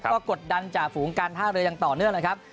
ก็กดดันจากฝูงกันท่าเรยังต่อเนื่องเลยครับ